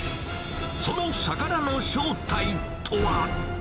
その魚の正体とは。